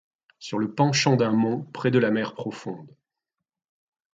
Sur le penchant d'un mont, près de la mer profonde.